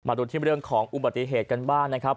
ดูที่เรื่องของอุบัติเหตุกันบ้างนะครับ